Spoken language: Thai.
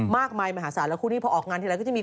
มากมายมหาศาสตร์แล้วคู่นี้พอออกงานทีนาที